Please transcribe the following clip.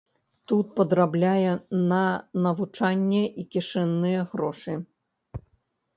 Тут падрабляе на навучанне і кішэнныя грошы.